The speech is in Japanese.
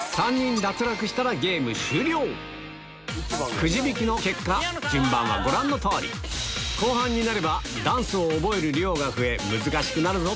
くじ引きの結果順番はご覧の通り後半になればダンスを覚える量が増え難しくなるぞ